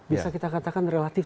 bisa kita katakan relatif